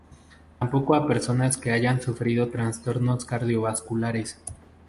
Tampoco a personas que hayan sufrido trastornos cardiovasculares.